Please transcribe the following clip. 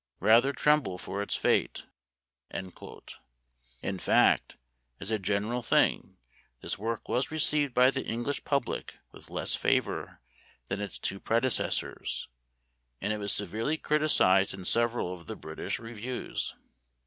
Rather tremble for its fate." In fact, as a general thing, this work was received by the English public with less favor than its two predecessors, and it was severely criticised in several of the British Re views.